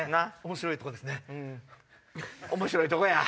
面白いとこや！